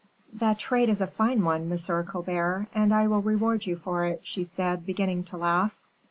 "The trait is a fine one, Monsieur Colbert, and I will reward you for it," she said, beginning to laugh.